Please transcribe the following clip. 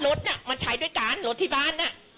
รถนี่มันใช้ด้วยการรถที่บ้านนี่